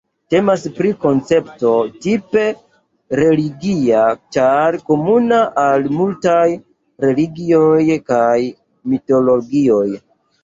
Temas pri koncepto tipe religia ĉar komuna al multaj religioj kaj mitologioj.